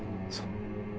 そう。